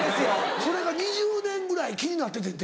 それが２０年ぐらい気になっててんて。